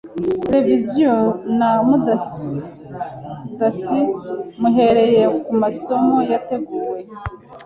televisiyo na murandasi, muhereye ku masomo yateguwe